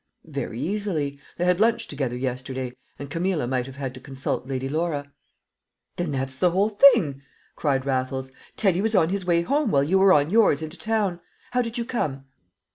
"Very easily. They had lunch together yesterday, and Camilla might have had to consult Lady Laura." "Then that's the whole thing!" cried Raffles. "Teddy was on his way home while you were on yours into town! How did you come?"